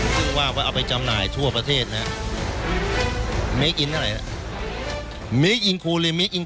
ซึ่งว่าว่าเอาไปจำหน่ายทั่วประเทศน่ะอะไรน่ะ